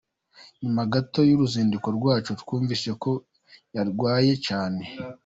Nyuma gato y’uruzinduko rwacu, twumvise ko yarwaye cyane.